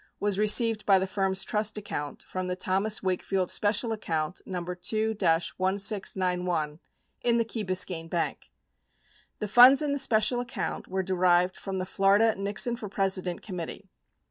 38 was received by the firm's trust account from the Thomas Wakefield special account No. 2 1691 in the Key Biscayne Bank. The funds in the special account w T ere derived from the Florida Nixon for President committee.